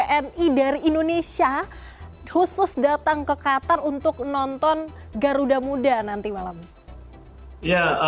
wni dari indonesia khusus datang ke qatar untuk nonton garuda muda nanti malam